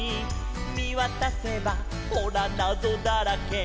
「みわたせばほらなぞだらけ」